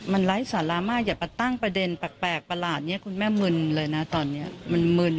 มันไร้สาระมากอย่ามาตั้งประเด็นแปลกประหลาดนี้คุณแม่มึนเลยนะตอนนี้มันมึน